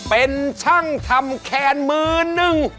เป็นช่างทำแคนมือหนึ่ง